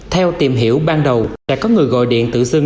theo tìm hiểu ban đầu đã có người gọi điện tự xưng